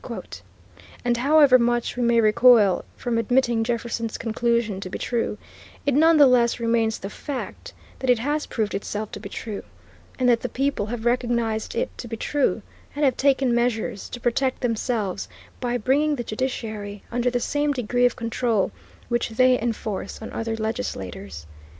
" And however much we may recoil from admitting Jefferson's conclusion to be true, it none the less remains the fact that it has proved itself to be true, and that the people have recognized it to be true, and have taken measures to protect themselves by bringing the judiciary under the same degree of control which they enforce on other legislators.